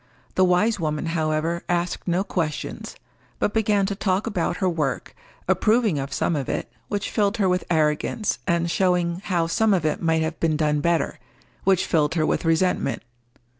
The wise woman, however, asked no questions, but began to talk about her work, approving of some of it, which filled her with arrogance, and showing how some of it might have been done better, which filled her with resentment.